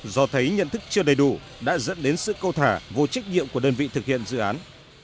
do thấy nhận thức chưa đầy đủ đã dẫn đến sự câu thả vô trách nhiệm của đơn vị thực hiện dự án